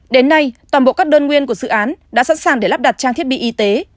đến nay toàn bộ các đơn nguyên của dự án đã sẵn sàng để lắp đặt trang thiết bị y tế